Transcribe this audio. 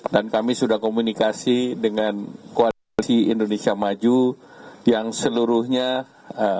dan kami sudah komunikasi dengan koalisi indonesia maju yang seluruhnya punya